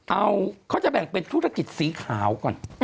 เอาเขาจะแบ่งเป็นธุรกิจสีขาวก่อน